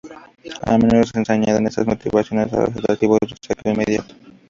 A menudo se añaden a estas motivaciones los atractivos de un saqueo inmediato.